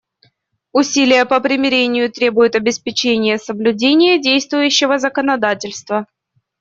Усилия по примирению требуют обеспечения соблюдения действующего законодательства.